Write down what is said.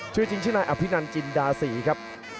ชื่อจริงชื่อนายอภินันจินดาศรีครับ